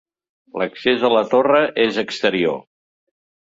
L'accés a la torre és exterior.